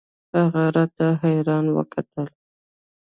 هغه راته حيران وکتل.